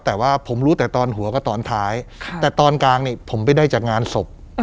แต่ว่าผมรู้แต่ตอนหัวก็ตอนท้ายแต่ตอนกลางนี่ผมไปได้จากงานศพ